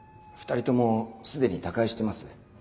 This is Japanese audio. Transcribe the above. ２人ともすでに他界してます。